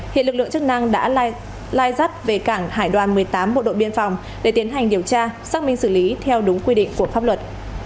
hiện lực lượng chức năng đã lai rắt về cảng hải đoàn một mươi tám bộ đội biên phòng để tiến hành điều tra xác minh xử lý theo đúng quy định của pháp luật